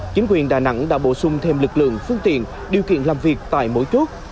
chính quyền đà nẵng đã bổ sung thêm lực lượng phương tiện điều kiện làm việc tại mỗi chốt